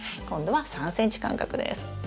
今度は３ｃｍ間隔です。